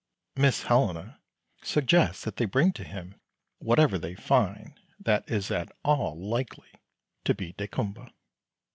Miss Helena suggests that they bring to him whatever they find that is at all likely to be "daykumboa."